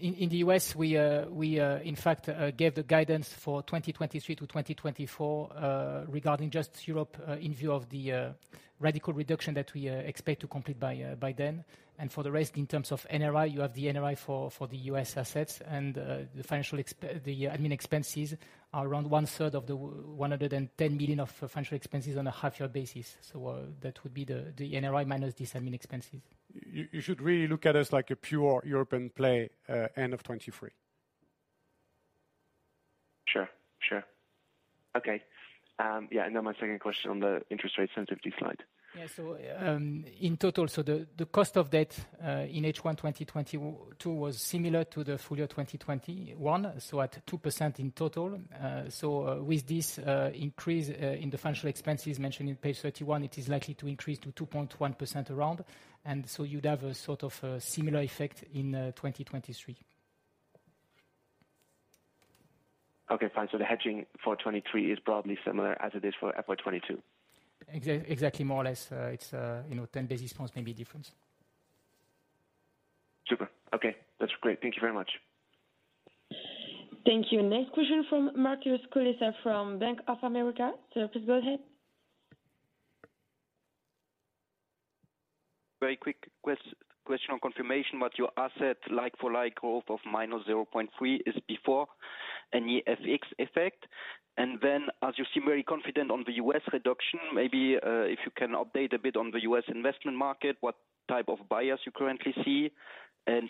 In the U.S., we in fact gave the guidance for 2023 to 2024 regarding just Europe, in view of the radical reduction that we expect to complete by then. For the rest, in terms of NOI, you have the NOI for the U.S. assets and the admin expenses are around 1/3 of the 110 million of financial expenses on a half-year basis. That would be the NOI minus these admin expenses. You should really look at us like a pure European play, end of 2023. Sure. Okay. Yeah, now my second question on the interest rate sensitivity slide. In total, the cost of debt in H1 2022 was similar to the full year 2021, so at 2% in total. With this increase in the financial expenses mentioned on page 31, it is likely to increase to around 2.1%, and you'd have a sort of similar effect in 2023. Okay, fine. The hedging for 2023 is broadly similar as it is for FY 2022. Exactly, more or less. It's, you know, 10 basis points may be different. Super. Okay. That's great. Thank you very much. Thank you. Next question from Markus Kulessa from Bank of America. Please go ahead. Very quick question on confirmation. Your asset like-for-like growth of -0.3% is before any FX effect. As you seem very confident on the U.S. reduction, maybe if you can update a bit on the U.S. investment market, what type of buyers you currently see?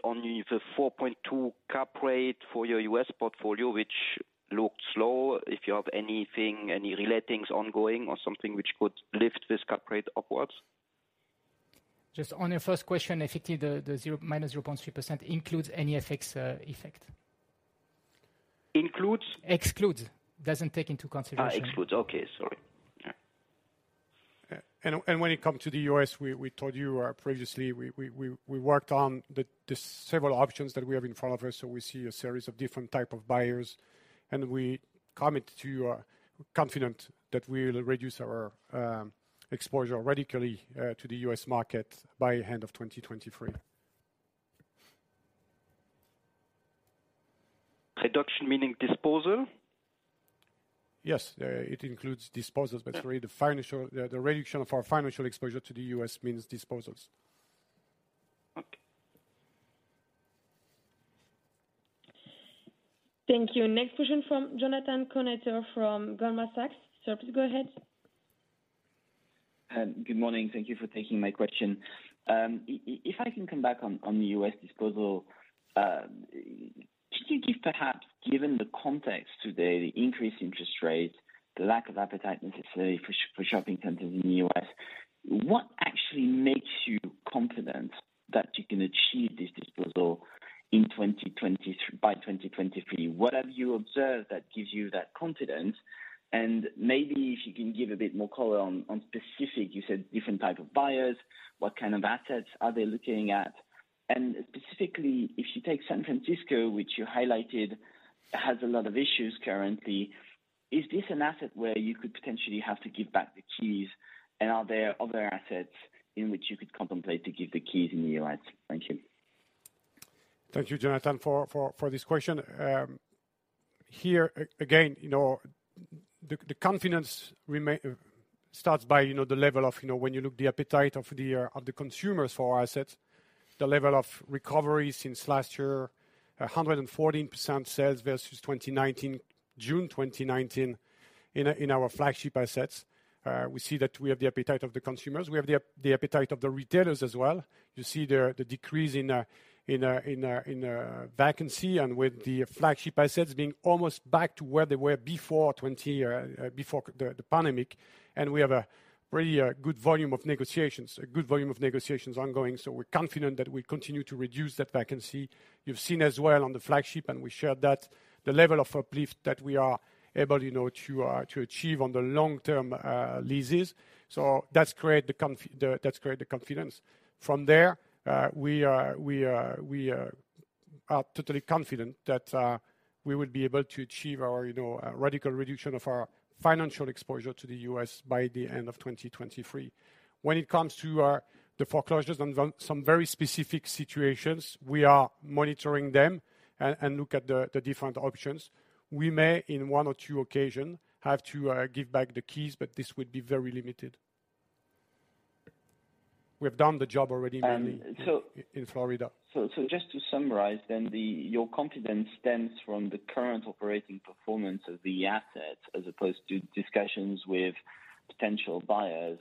On the 4.2% cap rate for your U.S. portfolio, which looked low, if you have anything, any re-lettings ongoing or something which could lift this cap rate upwards. Just on your first question, effectively the minus 0.3% includes any FX effect. Includes? Excludes. Doesn't take into consideration. Excludes. Okay, sorry. Yeah. When it comes to the U.S., we told you previously we worked on the several options that we have in front of us, so we see a series of different type of buyers. We are committed and confident that we'll reduce our exposure radically to the U.S. market by end of 2023. Reduction meaning disposal? Yes. It includes disposals, but really the financial reduction of our financial exposure to the U.S. means disposals. Okay. Thank you. Next question from Jonathan Kownator from Goldman Sachs. Sir, please go ahead. Good morning. Thank you for taking my question. If I can come back on the U.S. disposal, could you give perhaps, given the context today, the increased interest rates, the lack of appetite necessarily for shopping centers in the U.S., what actually makes you confident that you can achieve this disposal by 2023? What have you observed that gives you that confidence? Maybe if you can give a bit more color on specific, you said different type of buyers, what kind of assets are they looking at? Specifically, if you take San Francisco, which you highlighted has a lot of issues currently, is this an asset where you could potentially have to give back the keys? Are there other assets in which you could contemplate to give the keys in the U.S.? Thank you. Thank you, Jonathan, for this question. Here again, you know, the confidence starts by, you know, the level of, you know, when you look at the appetite of the consumers for our assets, the level of recovery since last year, 114% sales versus 2019, June 2019 in our flagship assets. We see that we have the appetite of the consumers. We have the appetite of the retailers as well. You see the decrease in vacancy and with the flagship assets being almost back to where they were before 2020, before the pandemic. We have a really good volume of negotiations ongoing, so we're confident that we continue to reduce that vacancy. You've seen as well on the flagship, and we shared that, the level of lift that we are able, you know, to achieve on the long-term leases. That's create the confidence. From there, we are totally confident that we will be able to achieve our, you know, radical reduction of our financial exposure to the U.S. by the end of 2023. When it comes to the foreclosures on some very specific situations, we are monitoring them and look at the different options. We may, in one or two occasion, have to give back the keys, but this would be very limited. We've done the job already mainly. And so. In Florida. Just to summarize then, your confidence stems from the current operating performance of the assets as opposed to discussions with potential buyers.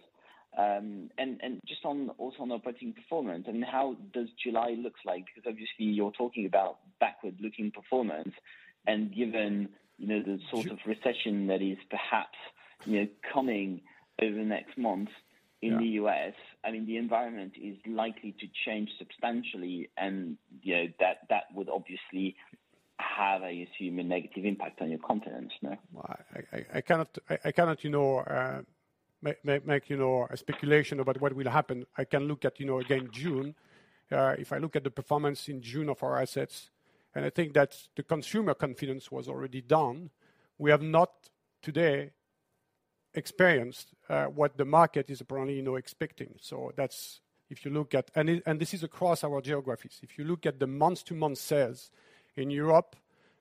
Just on, also on operating performance and how does July look like? Because obviously you're talking about backward-looking performance and given the sort of recession that is perhaps coming over the next month. Yeah. In the U.S., I mean, the environment is likely to change substantially and, you know, that would obviously have, I assume, a negative impact on your confidence, no? Well, I cannot, you know, make, you know, a speculation about what will happen. I can look at, you know, again, June. If I look at the performance in June of our assets, and I think that the consumer confidence was already down. We have not today experienced what the market is apparently, you know, expecting. So that's if you look at, and this is across our geographies. If you look at the month-to-month sales in Europe,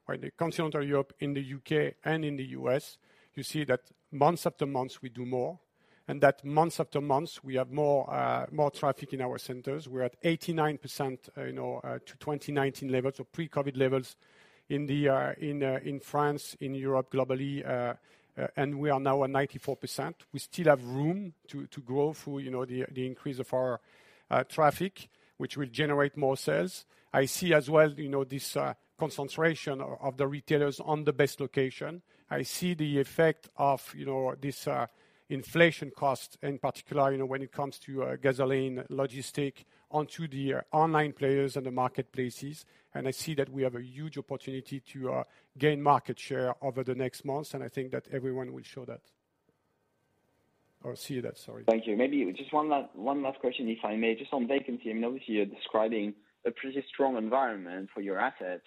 right, the continental Europe, in the U.K. and in the U.S., you see that month after month we do more and that month after month we have more traffic in our centers. We're at 89%, you know, to 2019 levels, so pre-COVID levels in France, in Europe globally, and we are now at 94%. We still have room to grow through, you know, the increase of our traffic, which will generate more sales. I see as well, you know, this concentration of the retailers on the best location. I see the effect of, you know, this inflation cost, in particular, you know, when it comes to gasoline, logistics onto the online players and the marketplaces. I see that we have a huge opportunity to gain market share over the next months, and I think that everyone will show that. Or see that, sorry. Thank you. Maybe just one last question, if I may. Just on vacancy, I mean, obviously you're describing a pretty strong environment for your assets,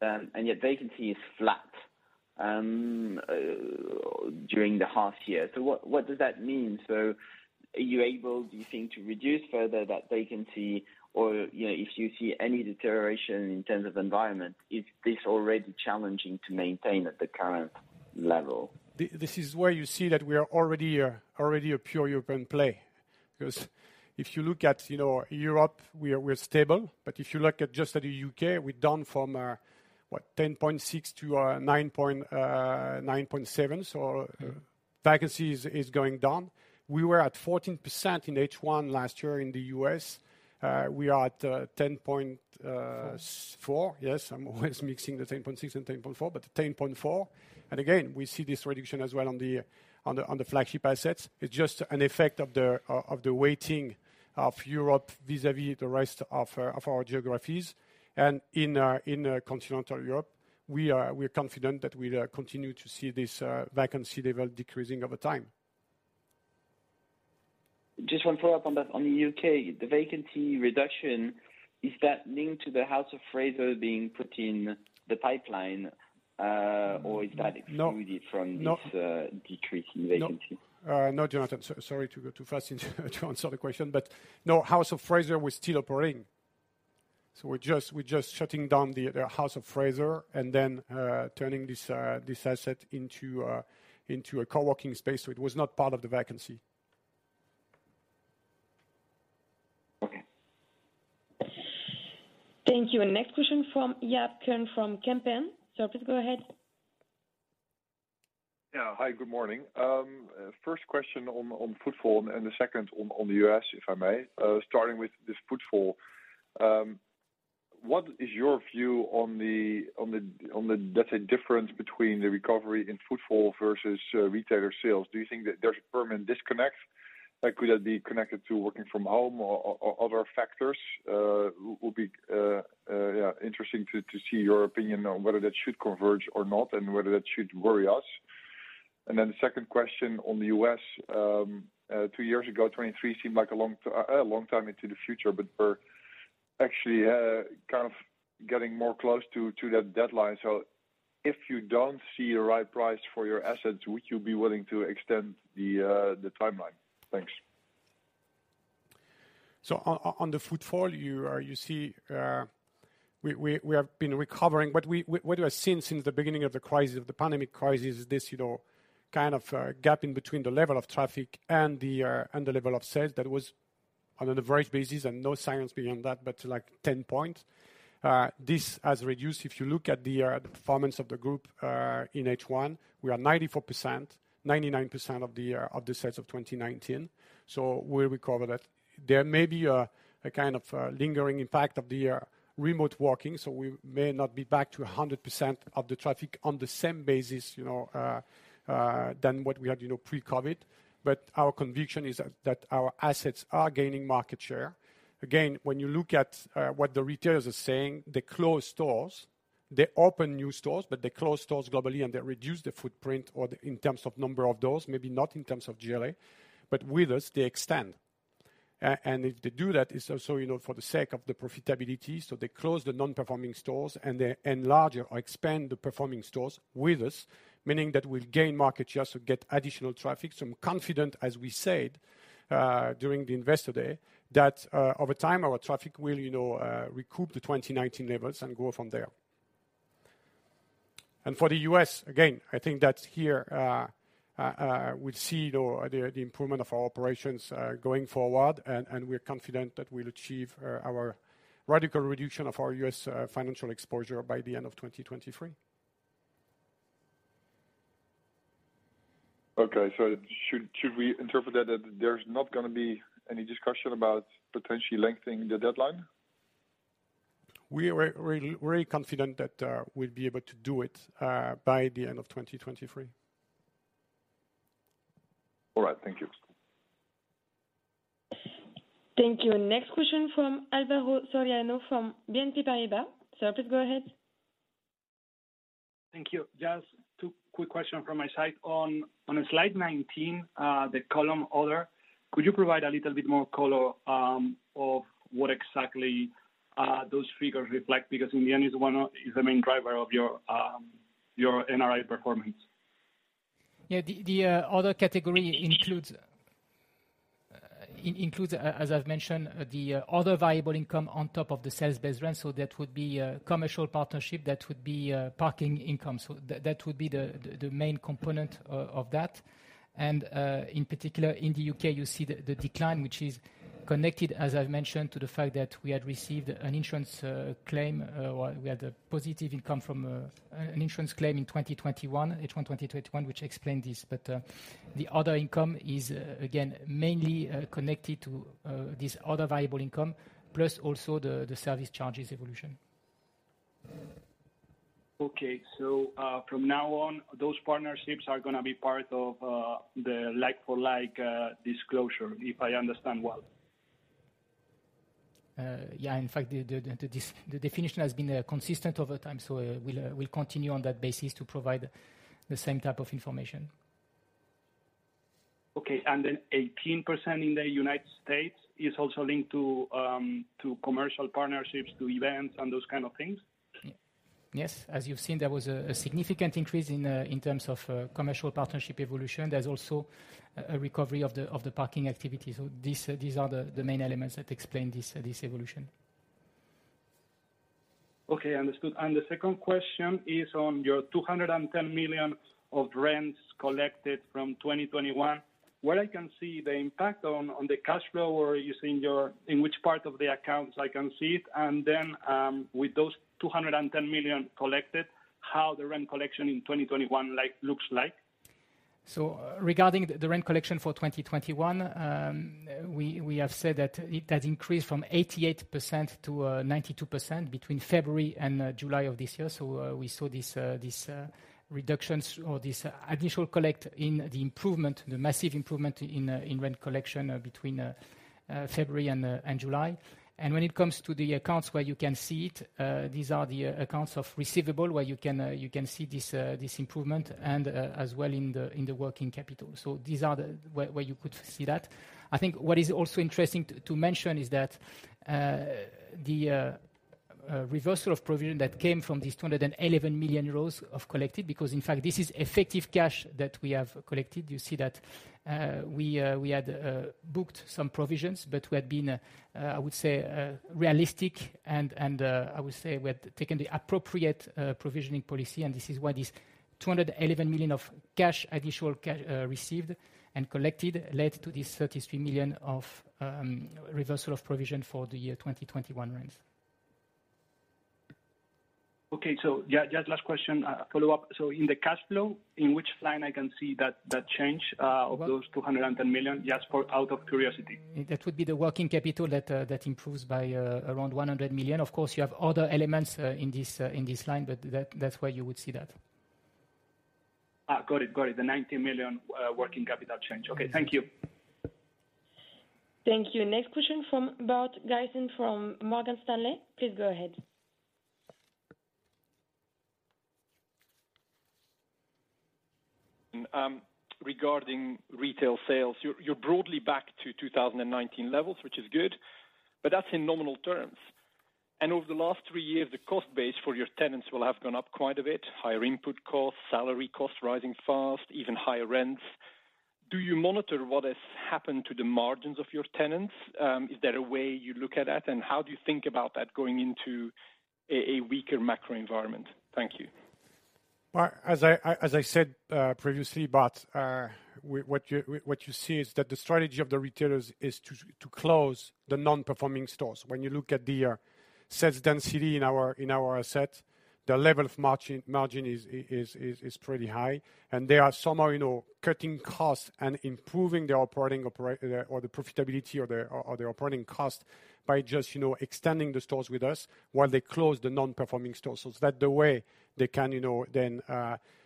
and yet vacancy is flat during the half year. What does that mean? Are you able, do you think, to reduce further that vacancy or, you know, if you see any deterioration in terms of environment, is this already challenging to maintain at the current level? This is where you see that we are already a pure European play. Because if you look at, you know, Europe, we're stable, but if you look at just the U.K., we're down from 10.6% to 9.7%. Vacancy is going down. We were at 14% in H1 last year in the U.S.. We are at 10.4%. Yes, I'm always mixing the 10.6% and 10.4%, but 10.4%. Again, we see this reduction as well on the flagship assets. It's just an effect of the weighting of Europe vis-à-vis the rest of our geographies. In continental Europe we're confident that we'll continue to see this vacancy level decreasing over time. Just one follow-up on that. On the U.K., the vacancy reduction, is that linked to the House of Fraser being put in the pipeline? Or is that. No. Excluded from this. No. Decreasing vacancy? No, no, Jonathan. Sorry to go too fast to answer the question, but no, House of Fraser was still operating. We're just shutting down the House of Fraser and then turning this asset into a co-working space. It was not part of the vacancy. Okay. Thank you. Next question from Jaap Kuin from Kempen. Sir, please go ahead. Yeah. Hi, good morning. First question on footfall and the second on the U.S., if I may. Starting with this footfall. What is your view on the, let's say, difference between the recovery in footfall versus retailer sales? Do you think that there's a permanent disconnect? Like, could that be connected to working from home or other factors? Would be interesting to see your opinion on whether that should converge or not and whether that should worry us. Then the second question on the U.S., two years ago, 2023 seemed like a long time into the future, but we're actually kind of getting more close to that deadline. If you don't see a right price for your assets, would you be willing to extend the timeline? Thanks. On the footfall, we have been recovering. What we have seen since the beginning of the pandemic crisis is this, you know, kind of gap in between the level of traffic and the level of sales that was on an average basis, and no science behind that, but like 10 points. This has reduced. If you look at the performance of the group in H1, we are 94%, 99% of the sales of 2019. We'll recover that. There may be a kind of lingering impact of the remote working. We may not be back to 100% of the traffic on the same basis, you know, from what we had, you know, pre-COVID. Our conviction is that our assets are gaining market share. Again, when you look at what the retailers are saying, they close stores. They open new stores, but they close stores globally, and they reduce the footprint or the in terms of number of doors, maybe not in terms of GLA, but with us, they extend. If they do that, it's also, you know, for the sake of the profitability. They close the non-performing stores and they enlarge or expand the performing stores with us, meaning that we'll gain market share, so get additional traffic. I'm confident, as we said, during the investor day, that over time, our traffic will, you know, recoup the 2019 levels and grow from there. For the U.S., again, I think that here, we see the improvement of our operations, going forward, and we're confident that we'll achieve our radical reduction of our U.S. financial exposure by the end of 2023. Okay. Should we interpret that there's not gonna be any discussion about potentially lengthening the deadline? We are very, very confident that we'll be able to do it by the end of 2023. All right. Thank you. Thank you. Next question from Alvaro Soriano, from BNP Paribas. Sir, please go ahead. Thank you. Just two quick question from my side. On slide 19, the column other, could you provide a little bit more color of what exactly those figures reflect? Because in the end, it's the main driver of your NRI performance. The other category includes, as I've mentioned, the other variable income on top of the sales base rent. That would be commercial partnership. That would be parking income. That would be the main component of that. In particular, in the U.K., you see the decline, which is connected, as I've mentioned, to the fact that we had received an insurance claim or we had a positive income from an insurance claim in 2021. H1 2021, which explained this. The other income is, again, mainly connected to this other variable income, plus also the service charges evolution. From now on, those partnerships are gonna be part of the like-for-like disclosure, if I understand well. Yeah. In fact, the definition has been consistent over time, so we'll continue on that basis to provide the same type of information. 18% in the U.S. is also linked to commercial partnerships, to events and those kind of things? Yes. As you've seen, there was a significant increase in terms of commercial partnership evolution. There's also a recovery of the parking activity. These are the main elements that explain this evolution. Okay. Understood. The second question is on your 210 million of rents collected from 2021. Where I can see the impact on the cash flow. In which part of the accounts I can see it? With those 210 million collected, how the rent collection in 2021 looks like? Regarding the rent collection for 2021, we have said that it has increased from 88% to 92% between February and July of this year. We saw these reductions or this initial collection in the improvement, the massive improvement in rent collection between February and July. When it comes to the accounts where you can see it, these are the accounts receivable, where you can see this improvement as well in the working capital. These are the ways where you could see that. I think what is also interesting to mention is that the reversal of provision that came from this 211 million euros of collected, because in fact this is effective cash that we have collected. You see that we had booked some provisions, but we had been realistic and I would say we had taken the appropriate provisioning policy, and this is why this 211 million of cash, additional cash received and collected led to this 33 million of reversal of provision for the year 2021 rents. Okay. Yeah, just last question, follow up. In the cash flow, in which line I can see that change? Of those 210 million? Just for, out of curiosity. That would be the working capital that improves by around 100 million. Of course, you have other elements in this line, but that's where you would see that. Got it. The 90 million working capital change. Okay. Thank you. Thank you. Next question from Bart Gysens from Morgan Stanley. Please go ahead. Regarding retail sales, you're broadly back to 2019 levels, which is good, but that's in nominal terms. Over the last three years, the cost base for your tenants will have gone up quite a bit. Higher input costs, salary costs rising fast, even higher rents. Do you monitor what has happened to the margins of your tenants? Is there a way you look at that, and how do you think about that going into a weaker macro environment? Thank you. Well, as I said previously, Bart, what you see is that the strategy of the retailers is to close the non-performing stores. When you look at the sales density in our assets, the level of margin is pretty high. They are somehow, you know, cutting costs and improving their operating or the profitability or the operating cost by just, you know, extending the stores with us while they close the non-performing stores. That the way they can, you know, then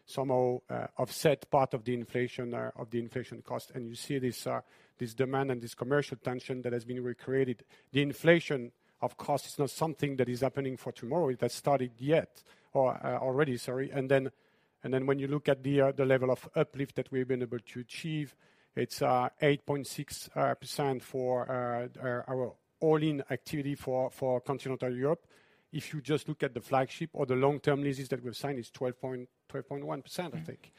somehow offset part of the inflation of the inflation cost. You see this demand and this commercial tension that has been recreated. The inflation of cost is not something that is happening for tomorrow. It has started yet or already, sorry. When you look at the level of uplift that we've been able to achieve, it's 8.6% for our all-in activity for Continental Europe. If you just look at the flagship or the long-term leases that we've signed, it's 12.1%, I think.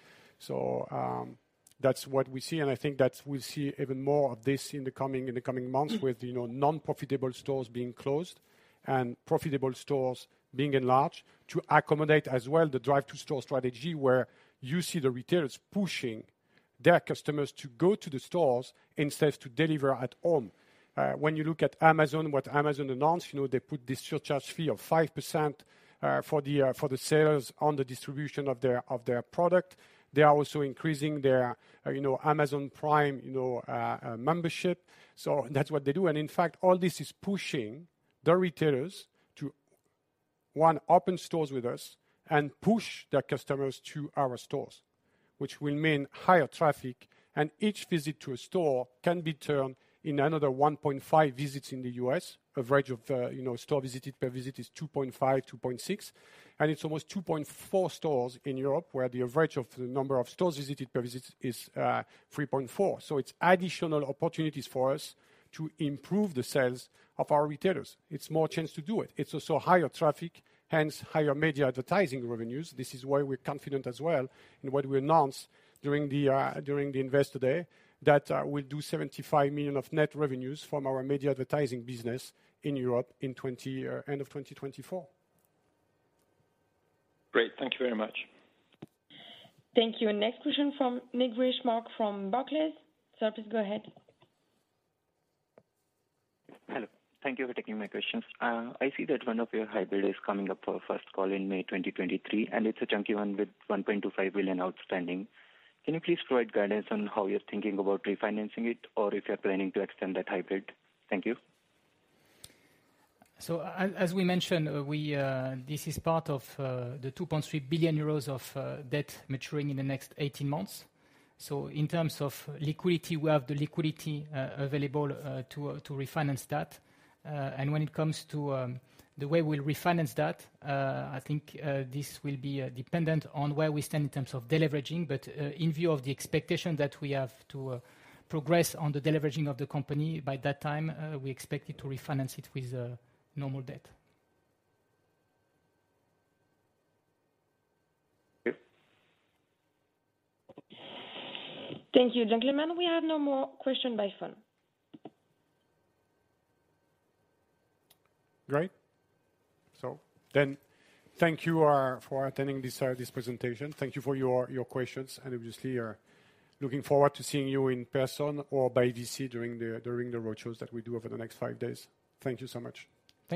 That's what we see, and I think that we'll see even more of this in the coming months with, you know, non-profitable stores being closed and profitable stores being enlarged to accommodate as well the drive to store strategy, where you see the retailers pushing their customers to go to the stores instead to deliver at home. When you look at Amazon, what Amazon announced, you know, they put this surcharge fee of 5%, for the sellers on the distribution of their product. They are also increasing their, you know, Amazon Prime membership. That's what they do. In fact, all this is pushing the retailers to open stores with us and push their customers to our stores, which will mean higher traffic. Each visit to a store can be turned into another 1.5 visits in the U.S.. Average of store visited per visit is 2.5, 2.6, and it's almost 2.4 stores in Europe, where the average of the number of stores visited per visit is 3.4. It's additional opportunities for us to improve the sales of our retailers. It's more chance to do it. It's also higher traffic, hence higher media advertising revenues. This is why we're confident as well in what we announced during the Investor Day, that we'll do 75 million of net revenues from our media advertising business in Europe end of 2024. Great. Thank you very much. Thank you. Next question from Nishant Malav from Barclays. Sir, please go ahead. Hello. Thank you for taking my questions. I see that one of your hybrid is coming up for a first call in May 2023, and it's a chunky one with 1.25 billion outstanding. Can you please provide guidance on how you're thinking about refinancing it or if you're planning to extend that hybrid? Thank you. As we mentioned, this is part of the 2.3 billion euros of debt maturing in the next 18 months. In terms of liquidity, we have the liquidity available to refinance that. When it comes to the way we'll refinance that, I think this will be dependent on where we stand in terms of deleveraging. In view of the expectation that we have to progress on the deleveraging of the company by that time, we expect it to refinance it with normal debt. Okay. Thank you, gentlemen. We have no more question by phone. Great. Thank you for attending this presentation. Thank you for your questions, and obviously are looking forward to seeing you in person or by VC during the roadshows that we do over the next five days. Thank you so much. Thank you.